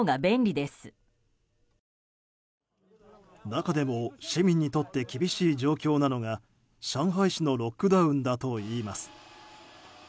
中でも市民にとって厳しい状況なのが上海市のロックダウンだといいます。